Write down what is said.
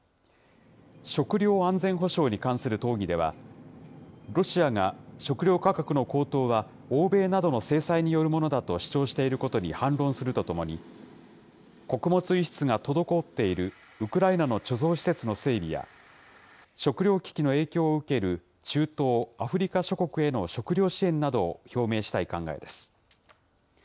食料安全保障に関する討議では、ロシアが食料価格の高騰は欧米などの制裁によるものだと主張していることに反論するとともに、穀物輸出が滞っているウクライナの貯蔵施設の整備や、食料危機の影響を受ける中東・アフリカ諸国への食料支援などを表明したい考えです。